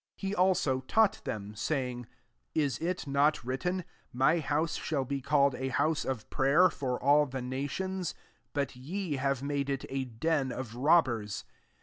17 He also taught them, saying, '< Is it not written, <My house shall be called a house of prayer for all the nations?' but ye have made it a den of robbers."